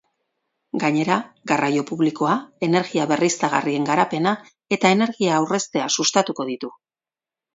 Gainera, garraio publikoa, energia berriztagarrien garapena eta energia aurreztea sustatuko ditu.